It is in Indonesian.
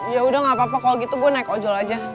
yaudah gapapa kalo gitu gue naik ojol aja